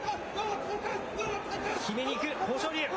きめにいく豊昇龍。